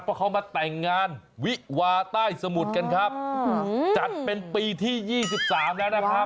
เพราะเขามาแต่งงานวิวาใต้สมุทรกันครับจัดเป็นปีที่๒๓แล้วนะครับ